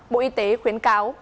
bộ y tế khuyến cáo